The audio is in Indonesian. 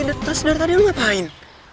tersedar tadi lu ngapain